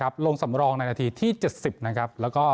ฟุตบอลลงสำรอง๙นาทีที่๗๐นะครับ